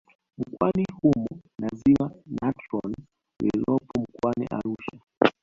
Mkoani humo na Ziwa Natron lililopo Mkoani Arusha